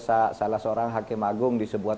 salah seorang hakim agung di sebuah